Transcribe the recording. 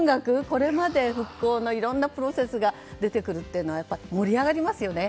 これまで復興のいろんなプロセスが出てくるのはやっぱり盛り上がりますよね。